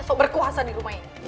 atau berkuasa di rumah ini